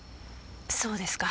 そうですか。